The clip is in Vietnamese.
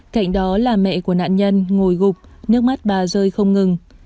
cạnh đó là mẹ của nạn nhân ngồi gục nước mắt bà rơi không ngừng